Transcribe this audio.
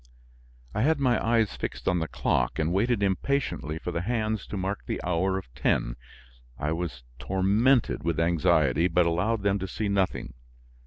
I had my eyes fixed on the clock and waited impatiently for the hands to mark the hour of ten. I was tormented with anxiety, but allowed them to see nothing.